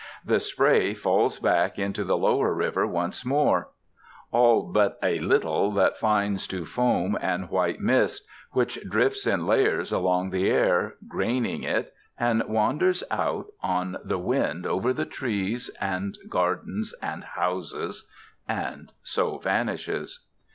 The spray falls back into the lower river once more; all but a little that fines to foam and white mist, which drifts in layers along the air, graining it, and wanders out on the wind over the trees and gardens and houses, and so vanishes.